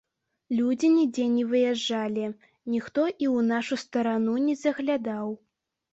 Людзі нідзе не выязджалі, ніхто і ў нашу старану не заглядаў.